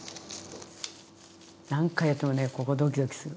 何回やってもねここドキドキする。